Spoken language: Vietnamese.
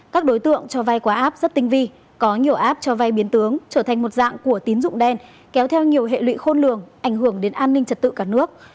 các đối tượng cho vay quá áp rất tinh vi có nhiều app cho vay biến tướng trở thành một dạng của tín dụng đen kéo theo nhiều hệ lụy khôn lường ảnh hưởng đến an ninh trật tự cả nước